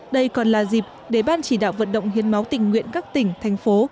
đây còn là dịp để ban chỉ đạo vận động hiến máu tình nguyện các tỉnh thành phố